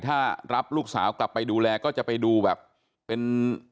ถ้ารับลูกสาวกลับไปดูแลก็จะไปดูแบบเป็น